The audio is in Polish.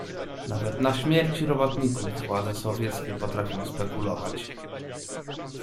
"Nawet na śmierci robotników władze sowieckie potrafią spekulować."